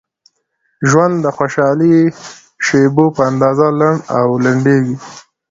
ژوند د خوشحالۍ د شیبو په اندازه لنډ او لنډیږي.